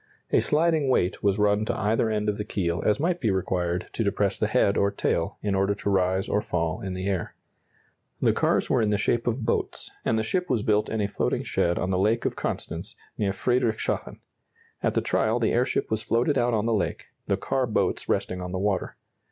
A sliding weight was run to either end of the keel as might be required to depress the head or tail, in order to rise or fall in the air. The cars were in the shape of boats, and the ship was built in a floating shed on the Lake of Constance near Friedrichshafen. At the trial the airship was floated out on the lake, the car boats resting on the water.